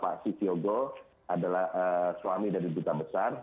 pak sitiogo adalah suami dari duta besar